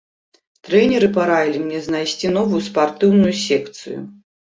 Трэнеры параілі мне знайсці новую спартыўную секцыю.